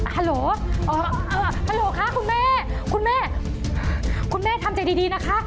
ฮัลโหลฮัลโหลคะคุณแม่คุณแม่ทำใจดีนะคะ